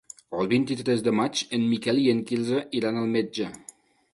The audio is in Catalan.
El vint-i-tres de maig en Miquel i en Quirze iran al metge.